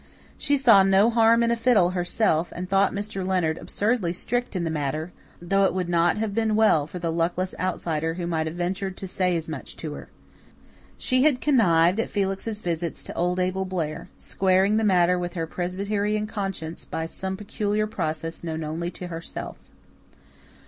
She "saw no harm in a fiddle," herself, and thought Mr. Leonard absurdly strict in the matter, though it would not have been well for the luckless outsider who might have ventured to say as much to her. She had connived at Felix's visits to old Abel Blair, squaring the matter with her Presbyterian conscience by some peculiar process known only to herself.